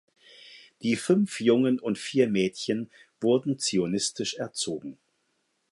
Die fünf Jungen und vier Mädchen wurden zionistisch erzogen.